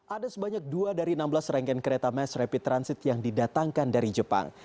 ada sebanyak dua dari enam belas rangkaian kereta mass rapid transit yang didatangkan dari jepang